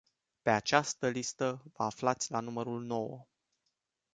Pe această listă, vă aflați la numărul nouă.